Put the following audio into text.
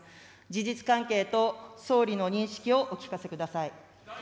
事実関係と総理の認識をお聞かせください。